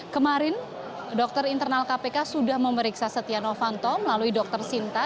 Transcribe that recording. kemarin dokter internal kpk sudah memeriksa setia novanto melalui dr sinta